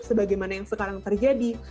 sebagaimana yang sekarang terjadi